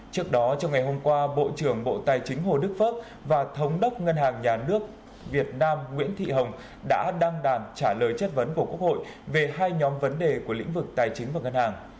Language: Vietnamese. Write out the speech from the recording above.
trước đó trong ngày hôm qua bộ trưởng bộ tài chính hồ đức phước và thống đốc ngân hàng nhà nước việt nam nguyễn thị hồng đã đăng đàn trả lời chất vấn của quốc hội về hai nhóm vấn đề của lĩnh vực tài chính và ngân hàng